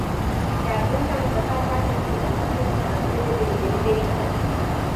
De atunci, am învățat foarte multe persoane să danseze pe diferite ritmuri.